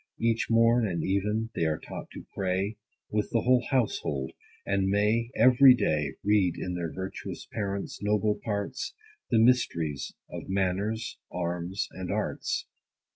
Each morn, and even, they are taught to pray, With the whole household, and may, every day, Read in their virtuous parents' noble parts, The mysteries of manners, arms, and arts.